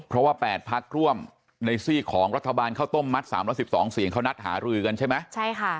เพราะว่าแปดพักร่วมในซี่ของรัฐบาลเข้าต้มมัดสามร้อยสิบสองเสียงเขานัดหารือกันใช่ไหมใช่ค่ะ